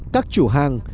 các chủ hàng